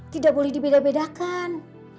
tidak boleh dibeda bedakan